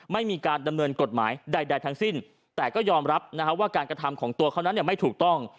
ไม่มีการดำเนินกฎหมายใดทั้งสิ้นแต่ก็ยอมรับนะฮะว่าการกระทำของตัวเขานั้นไม่ถูกต้อง